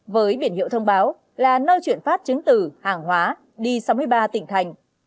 với biển hiệu thông báo là nơi chuyển phát chứng từ hàng hóa đi sáu mươi ba tỉnh thành